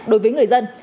đối với người dân